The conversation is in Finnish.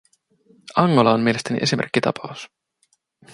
Angola on mielestäni esimerkkitapaus.